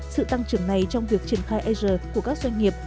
sự tăng trưởng này trong việc triển khai asure của các doanh nghiệp